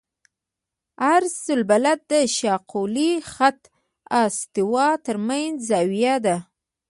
عرض البلد د شاقولي خط او استوا ترمنځ زاویه ده